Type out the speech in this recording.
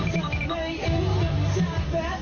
เธอไม่ยิ้มกับชาติแบดบ่อย